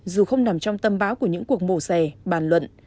dù không nằm trong tâm báo của những cuộc mổ xẻ bàn luận